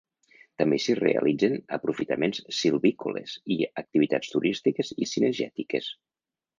També s'hi realitzen aprofitaments silvícoles i activitats turístiques i cinegètiques.